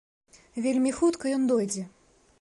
Вельмі хутка ён дойдзе.